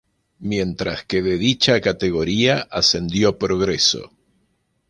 Mientras que de dicha categoría ascendió Progreso.